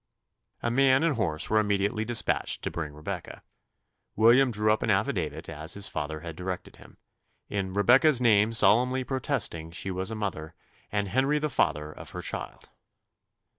A man and horse were immediately despatched to bring Rebecca: William drew up an affidavit as his father had directed him in Rebecca's name solemnly protesting she was a mother, and Henry the father of her child.